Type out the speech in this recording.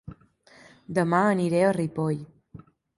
Dema aniré a Ripoll